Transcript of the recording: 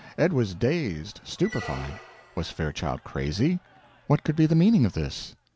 Ed was dazed, stupefied. Was Fairchild crazy? What could be the meaning of this?